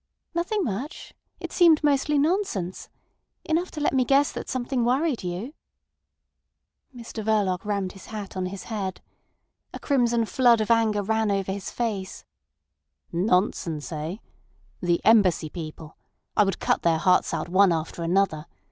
"Nothing much. It seemed mostly nonsense. Enough to let me guess that something worried you." Mr Verloc rammed his hat on his head. A crimson flood of anger ran over his face. "Nonsense—eh? The Embassy people! I would cut their hearts out one after another.